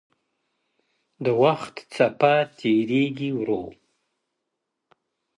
د وخت څپه تېرېږي ورو,